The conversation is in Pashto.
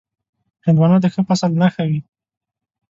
هندوانه د ښه فصل نښه وي.